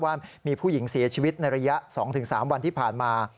ว่ามีผู้หญิงเสียชีวิตในระยะ๒๓วันที่ผ่านมา